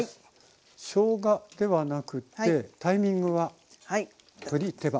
しょうがではなくってタイミングは鶏手羽。